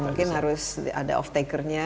mungkin harus ada off taker nya